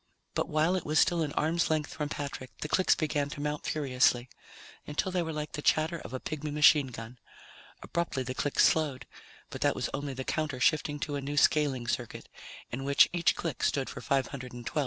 But while it was still an arm's length from Patrick, the clicks began to mount furiously, until they were like the chatter of a pigmy machine gun. Abruptly the clicks slowed, but that was only the counter shifting to a new scaling circuit, in which each click stood for 512 of the old ones.